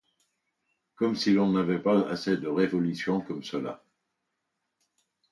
Comme si l’on n’avait pas assez de révolutions comme cela!